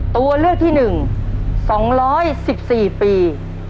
ตัวเลือกที่หนึ่ง๒๑๔ปี